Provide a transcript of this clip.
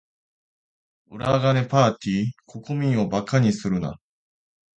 裏金パーティ？国民を馬鹿にするな。